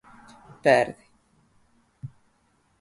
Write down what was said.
Perde.